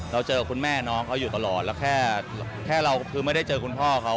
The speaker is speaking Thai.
เจอคุณแม่น้องเขาอยู่ตลอดแล้วแค่เราคือไม่ได้เจอคุณพ่อเขา